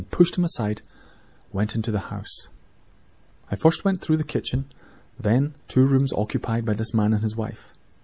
"I roughly pushed him aside and went into the house. "I first went through the kitchen, then crossed two small rooms occupied by the man and his wife.